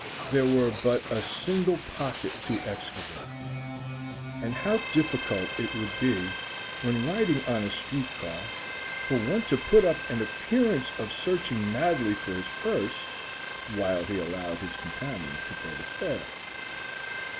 there were but a single pocket to excavate. And how difficult it would be, when riding on a street car, for one to put up an appearance of searching madly for his purse while he allowed his companion to pay the fare.